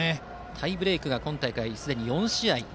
タイブレークが今大会すでに４試合。